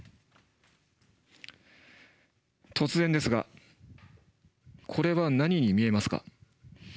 突然ですがこれは何に見えますか？